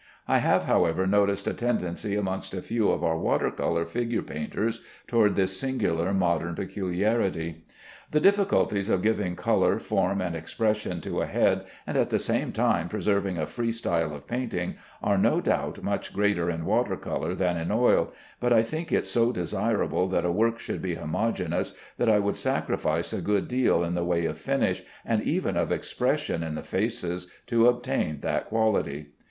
I have, however, noticed a tendency amongst a few of our water color figure painters toward this singular modern peculiarity. The difficulties of giving color, form, and expression to a head, and at the same time preserving a free style of painting, are no doubt much greater in water color than in oil, but I think it so desirable that a work should be homogeneous that I would sacrifice a good deal in the way of finish and even of expression in the faces, to obtain that quality.